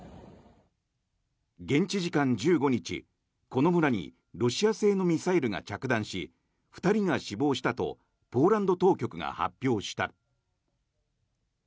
現地時間１５日、この村にロシア製のミサイルが着弾し２人が死亡したとポーランド当局が発表した。